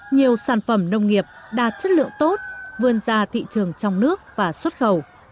nhiều sản phẩm nông nghiệp đạt chất lượng tốt vươn ra thị trường trong nước và xuất khẩu